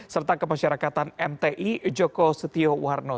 serta kemasyarakatan mti joko setiowarno